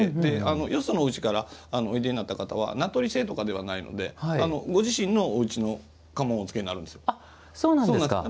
よそのうちからおいでになった方は名取制とかではないのでご自身のおうちの家紋をおつけになるんですよ。